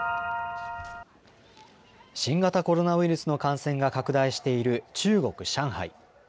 新型コロナウイルスの感染が拡大している中国・上海。